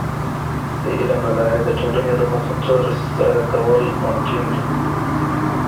د علم له لارې د ټولني د موخو ترسره کول ممکن دي.